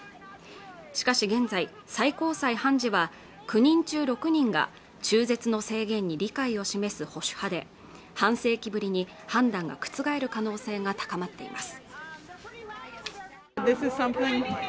しかし現在最高裁判事は９人中６人が中絶の制限に理解を示す保守派で半世紀ぶりに判断が覆る可能性が高まっています